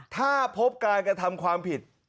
ถ้าพบการกระทำความผิด